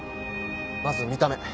まず見た目。